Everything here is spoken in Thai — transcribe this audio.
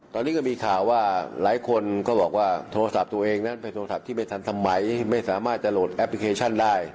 ตอนนี้ก็มีข่าวว่าหลายคนก็บอกว่าโทรศัพท์ตัวเองนั้นเป็นโทรศัพท์ที่ไม่ทันสมัยไม่สามารถจะโหลดแอปพลิเคชันได้